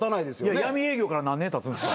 闇営業から何年たつんすか？